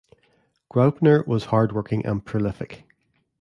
Graupner was hardworking and prolific.